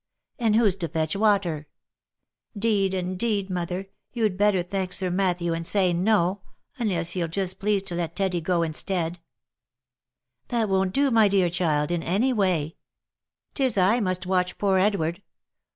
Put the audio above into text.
And who's to fetch water? 'Deed and 'deed mother, you'd better thank Sir Matthew, and say no, unless he'll just please to let Teddy go instead." " That won't do my dear child, in anyway. 'Tis I must watch poor Edward.